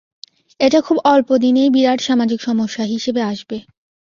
এটা খুব অল্প দিনেই বিরাট সামাজিক সমস্যা হিসেবে আসবে।